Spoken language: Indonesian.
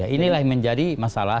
inilah yang menjadi masalah